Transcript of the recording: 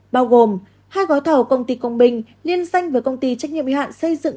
bao gồm hai gói thầu công ty công binh liên danh với công ty trách nhiệm y hạn xây dựng